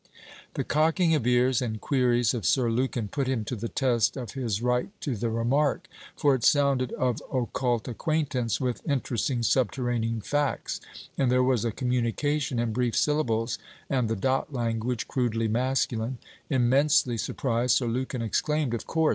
The cocking of ears and queries of Sir Lukin put him to the test of his right to the remark; for it sounded of occult acquaintance with interesting subterranean facts; and there was a communication, in brief syllables and the dot language, crudely masculine. Immensely surprised, Sir Lukin exclaimed: 'Of course!